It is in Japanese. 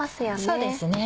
そうですね。